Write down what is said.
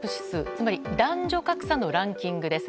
つまり男女格差のランキングです。